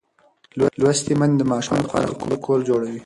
لوستې میندې د ماشوم لپاره خوندي کور جوړوي.